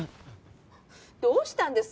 どうしたんです？